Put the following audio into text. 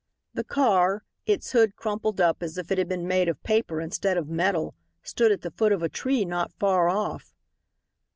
The car, its hood crumpled up as if it had been made of paper instead of metal, stood at the foot of a tree not far off.